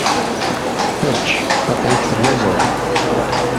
Ecc, aql-ik telluẓeḍ.